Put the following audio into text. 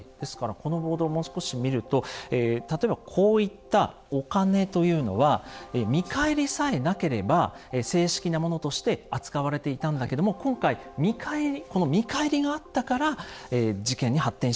このボードをもう少し見ると例えばこういったお金というのは見返りさえなければ正式なものとして扱われていたんだけども今回この見返りがあったから事件に発展したということなんですよね。